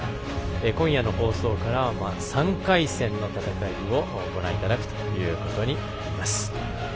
今夜の放送からは３回戦の戦いをご覧いただくということになります。